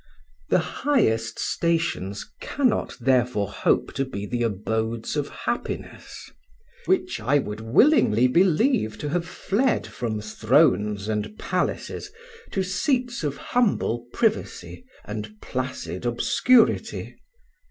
"The highest stations cannot therefore hope to be the abodes of happiness, which I would willingly believe to have fled from thrones and palaces to seats of humble privacy and placid obscurity.